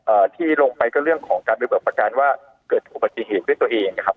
เอ่อที่ลงไปก็เรื่องของการบริเวณประการว่าเกิดอุบัติเหตุเพื่อตัวเองครับ